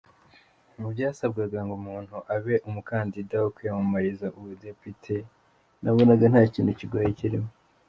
Mu byasabwaga ngo umuntu abe umukandida wo kwiyamamariza ubudepite nabonaga nta kintu kigoye kirimo.